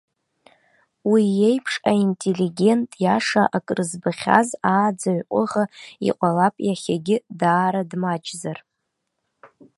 Уи иеиԥш аинтеллигент иаша, акрызбахьаз, ааӡаҩ ҟәыӷа, иҟалап, иахьагьы даара дмаҷзар.